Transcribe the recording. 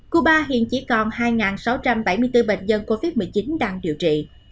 cuba hiện chỉ còn hai sáu trăm bảy mươi bốn bệnh nhân covid một mươi chín đang điều trị